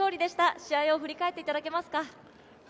試合を振り返っていただけますか。